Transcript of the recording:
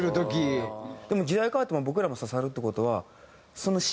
でも時代変わっても僕らも刺さるって事は。